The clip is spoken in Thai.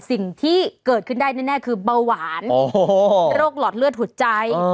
สิ่งที่เกิดขึ้นได้แน่คือเบาหวานโรคหลอดเลือดหัวใจ